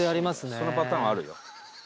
そのパターンはあるよ。